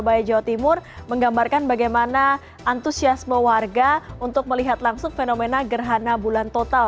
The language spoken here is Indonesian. surabaya jawa timur menggambarkan bagaimana antusiasme warga untuk melihat langsung fenomena gerhana bulan total